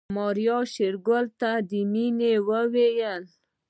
ماريا شېرګل ته د مننې وويل.